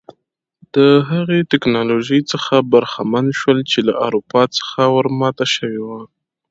د هغې ټکنالوژۍ څخه برخمن شول چې له اروپا څخه ور ماته شوې وه.